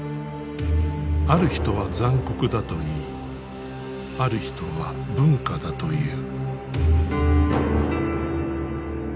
ある人は残酷だといいある人は文化だという。